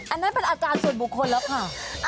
อันนั้นเป็นอาการส่วนบุคคลแล้วค่ะ